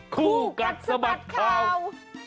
คู่กัดสะบัดข่าว